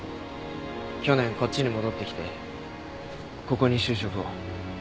去年こっちに戻ってきてここに就職を。